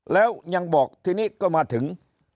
แล้วยังบอกทีนี้ก็มาถึง